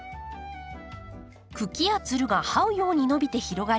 茎やつるがはうように伸びて広がり